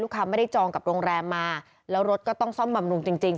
ค้าไม่ได้จองกับโรงแรมมาแล้วรถก็ต้องซ่อมบำรุงจริงจริง